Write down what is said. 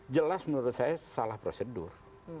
jelas menurut saya salah prosedur